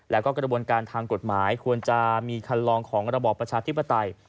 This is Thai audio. แล้วก็กระบวนการทางกฎหมายควรจะมีคันลองของระบอบประชาธิปไตย